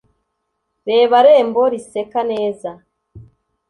reba rembo riseka neza,